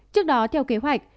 trước đó theo kế hoạch